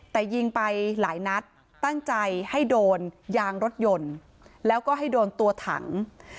แต่ยิงไปหลายนัดตั้งใจให้โดนยางรถยนต์แล้วก็ให้โดนตัวถัง